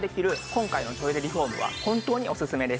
今回のトイレリフォームは本当にオススメです。